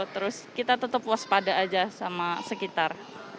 terus kita tetap puas pada aja sama sekitar